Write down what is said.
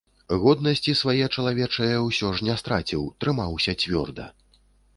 Годнасці свае чалавечае ўсё ж не страціў, трымаўся цвёрда.